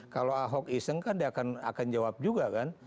kalau ahok iseng kan dia akan jawab juga kan